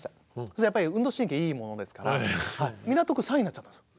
するとやっぱり運動神経いいものですから港区３位になっちゃったんですよ。